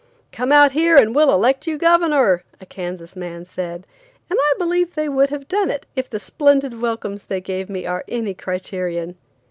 "Come out here and we'll elect you governor," a Kansas man said, and I believe they would have done it, if the splendid welcomes they gave me are any criterion.